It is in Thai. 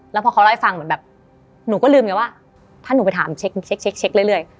แล้วพอเขาเล่าให้ฟังเหมือนแบบหนูก็ลืมไงว่าถ้าหนูไปถามเช็คเรื่อย